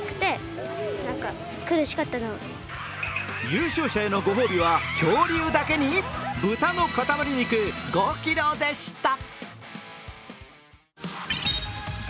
優勝者へのご褒美は、恐竜だけに豚の塊肉５ｋｇでした。